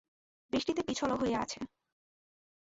বৃষ্টিতে পিছলও হইয়া আছে।